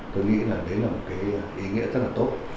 tôi nghĩ là đấy là một cái ý nghĩa rất là tốt